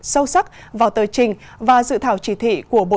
sâu sắc vào tờ trình và dự thảo chỉ thị